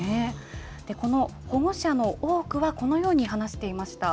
この保護者の多くは、このように話していました。